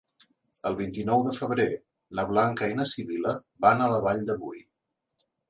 El vint-i-nou de febrer na Blanca i na Sibil·la van a la Vall de Boí.